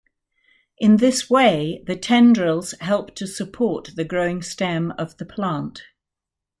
In this way, the tendrils help to support the growing stem of the plant.